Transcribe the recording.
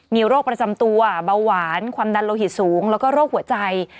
มีโรคประจำตัวเบาหวานความดันโลหิตสูงแล้วก็โรคหัวใจ